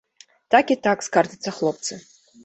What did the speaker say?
Так і так, скардзяцца хлопцы.